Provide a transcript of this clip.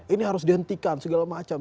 ini harus dihentikan segala macam